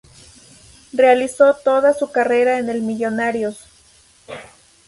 Realizó toda su carrera en el Millonarios.